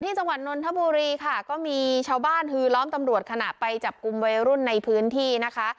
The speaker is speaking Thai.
จังหวัดนนทบุรีค่ะก็มีชาวบ้านฮือล้อมตำรวจขณะไปจับกลุ่มวัยรุ่นในพื้นที่นะคะ